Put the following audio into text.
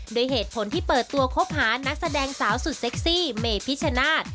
โดยเหตุผลที่เปิดตัวคบหานักแสดงสาวสุดเซ็กซี่เมพิชชนาธิ์